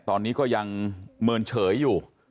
ตอนนี้ก็ยังเมินเฉยอยู่